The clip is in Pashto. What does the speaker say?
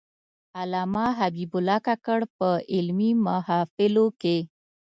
علامه حبیب الله کاکړ په علمي محافلو کې.